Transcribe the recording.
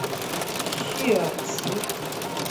叙尔吉。